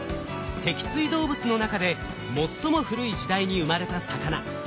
脊椎動物の中で最も古い時代に生まれた魚。